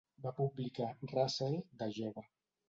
Va publicar "Russell" de jove.